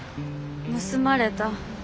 盗まれた。